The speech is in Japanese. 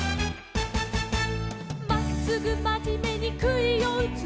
「まっすぐまじめにくいをうつ」